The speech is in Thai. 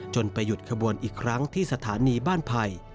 ไปหยุดขบวนอีกครั้งที่สถานีบ้านไผ่